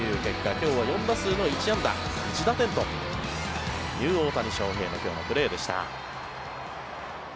今日は４打数１安打１打点という大谷翔平の今日のプレーでした。